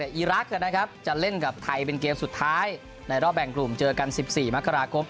อีรักษ์จะเล่นกับไทยเป็นเกมสุดท้ายในรอบแบ่งกลุ่มเจอกัน๑๔มกราคม